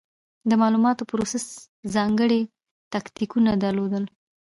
د مالوماتو پروسس ځانګړې تکتیکونه درلودل.